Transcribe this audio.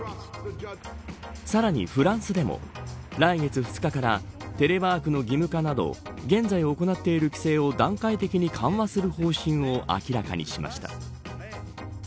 さらに、フランスでも来月２日からテレワークの義務化など現在行っている規制を段階的に緩和する方針を明らかにしました。